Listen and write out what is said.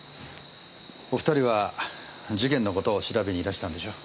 お２人は事件のことを調べにいらしたんでしょ？